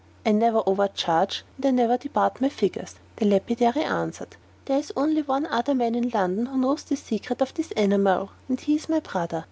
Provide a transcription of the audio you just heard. "I never overcharge, and I never depart from my figures," the lapidary answered. "There is only one other man in London who knows the secret of this enamel, and he is my brother.